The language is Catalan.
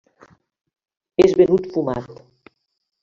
És venut fumat.